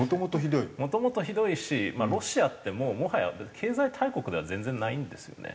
もともとひどいしロシアってもうもはや経済大国では全然ないんですよね。